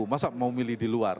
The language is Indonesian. masa mau milih di luar